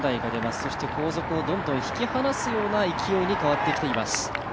そして後続をどんどん引き離すような勢いに変わってきています。